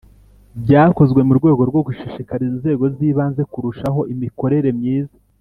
Byakozwe mu rwego rwo gushishikariza Inzego z’Ibanze kurushaho imikorere myiza